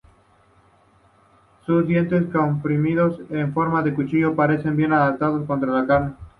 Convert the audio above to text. Sus dientes comprimidos, en forma de cuchillo parecen bien adaptados para cortar carne.